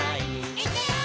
「いくよー！」